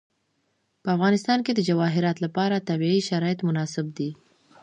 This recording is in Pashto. په افغانستان کې د جواهرات لپاره طبیعي شرایط مناسب دي.